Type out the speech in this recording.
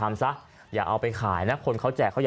ฟังเสียงคนที่ไปรับของกันหน่อย